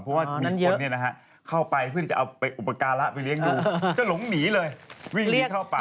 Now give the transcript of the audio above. เพราะว่ามีคนเข้าไปเพื่อจะเอาไปอุปการะไปเลี้ยงดูจะหลงหนีเลยวิ่งหนีเข้าป่า